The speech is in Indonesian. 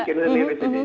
kita bikin sendiri